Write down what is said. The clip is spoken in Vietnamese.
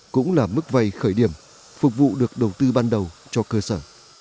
cũng là mức vay khởi điểm phục vụ được đầu tư ban đầu cho cơ sở